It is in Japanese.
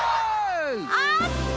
あった！